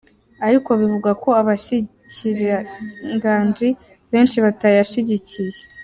Ariko bivugwa ko abashikiranganji benshi batayashigikiye.